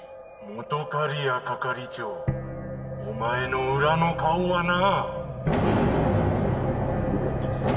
「本仮屋係長お前の裏の顔はな」